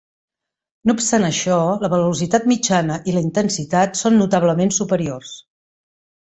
No obstant això, la velocitat mitjana i la intensitat són notablement superiors.